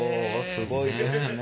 すごいですね。